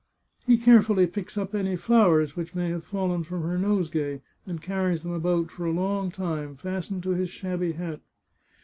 He carefully picks up any flowers which may have fallen from her nosegay, and carries them about for a long time, fastened to his shabby hat."